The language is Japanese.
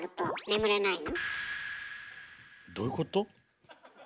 どういうこと？